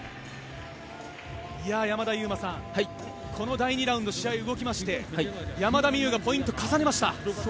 山田勇磨さん、この第２ラウンド試合が動きまして山田美諭がポイントを重ねました。